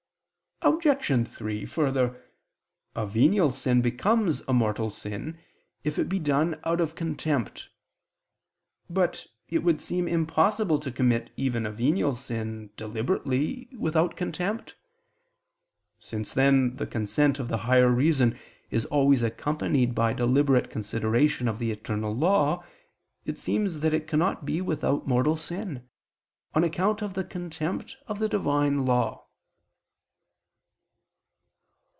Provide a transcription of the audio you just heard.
Obj. 3: Further, a venial sin becomes a mortal sin if it be done out of contempt. But it would seem impossible to commit even a venial sin, deliberately, without contempt. Since then the consent of the higher reason is always accompanied by deliberate consideration of the eternal law, it seems that it cannot be without mortal sin, on account of the contempt of the Divine law.